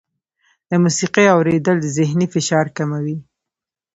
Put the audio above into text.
د موسیقۍ اورېدل ذهني فشار کموي.